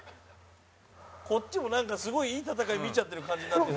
「こっちもなんかすごいいい戦い見ちゃってる感じになってる」